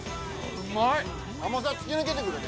うまい！